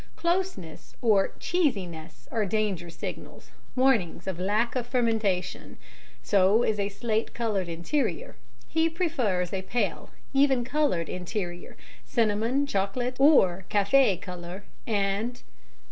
Closeness or cheesiness are danger signals, warnings of lack of fermentation, so is a slate coloured interior. He prefers a pale, even coloured interior, cinnamon, chocolate, or café au lait colour and